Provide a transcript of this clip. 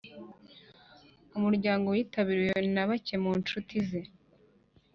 umuhango witabiriwe na bake mu nshuti ze